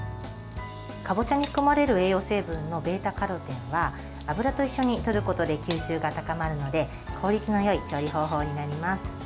かぼちゃに含まれる栄養成分のβ‐カロテンは油と一緒にとることで吸収が高まるので効率のよい調理方法になります。